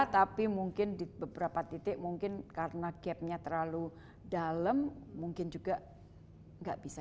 tapi mungkin di beberapa titik mungkin karena gapnya terlalu dalam mungkin juga nggak bisa